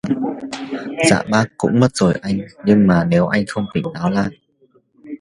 dạ bác cũng mất rồi anh Nhưng mà nếu anh không tỉnh táo lại